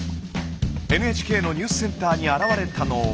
ＮＨＫのニュースセンターに現れたのは。